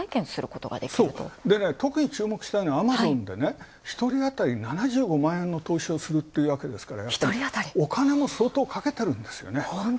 とくに注目したいのはアマゾンで一人当たり、７５万円の投資をするというわけですからお金もそうとうかけてる。